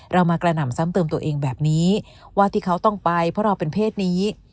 เรามากระหน่ำซ้ำเติมตัวเองแบบนี้ว่าที่เขาต้องไปเพราะเราเป็นเพศนี้